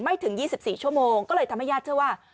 ถึง๒๔ชั่วโมงก็เลยทำให้ญาติเชื่อว่า